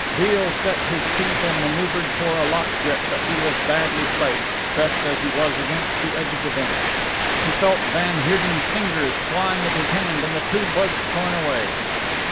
Beale set his teeth and manoeuvred for a lock grip, but he was badly placed, pressed as he was against the edge of the bench. He felt van Heerden's fingers clawing at his hand and the tube was torn away.